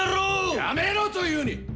やめろと言うに！